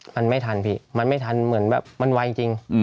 มันไม่ทันพี่มันไม่ทันเหมือนแบบมันไวจริง